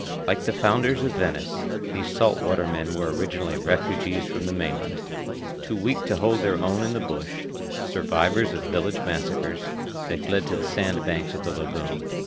Like the founders of Venice, these salt water men were originally refugees from the mainland. Too weak to hold their own in the bush, survivors of village massacres, they fled to the sand banks of the lagoon.